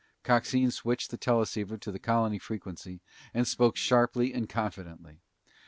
Coxine switched the teleceiver to the colony frequency and spoke sharply and confidently.